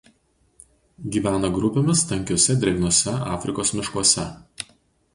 Gyvena grupėmis tankiuose drėgnuose Afrikos miškuose.